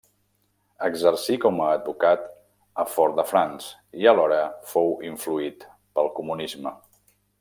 Exercí com a advocat a Fort-de-France i alhora fou influït pel comunisme.